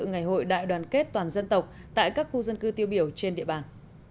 ngày hội đại đoàn kết toàn dân tộc tại các khu dân cư tiêu biểu trên địa bàn